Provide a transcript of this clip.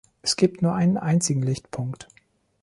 Es gibt nur einen einzigen Lichtpunkt.